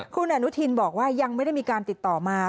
คุณอนุทินบอกว่ายังไม่ได้มีการติดต่อมา